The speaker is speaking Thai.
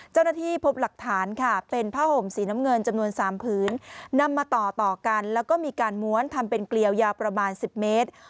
เจ้าหน้าที่พบหลักฐานค่ะเป็นผ้าห่มสีน้ำเงินจำนวน๓พื้นนำมาต่อต่อกันแล้วก็มีการม้วนทำเป็นเกลียวยาวประมาณ๑๐เมตร